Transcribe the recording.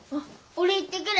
俺行ってくる。